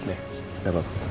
eh ada apa